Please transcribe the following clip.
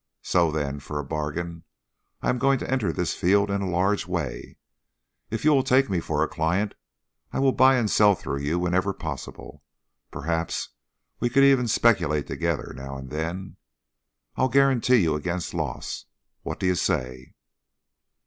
So, then, for a bargain. I am going to enter this field in a large way; if you will take me for a client, I will buy and sell through you whenever possible. Perhaps we can even speculate together now and then. I'll guarantee you against loss. What do you say?"